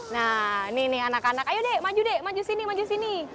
nah ini nih anak anak ayo deh maju deh maju sini maju sini